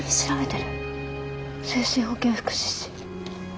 精神保健福祉士。